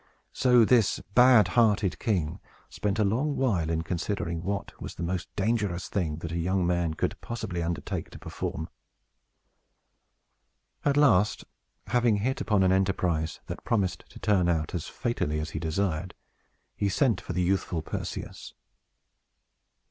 So this bad hearted king spent a long while in considering what was the most dangerous thing that a young man could possibly undertake to perform. At last, having hit upon an enterprise that promised to turn out as fatally as he desired, he sent for the youthful Perseus.